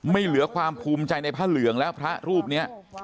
เหลือความภูมิใจในพระเหลืองแล้วพระรูปนี้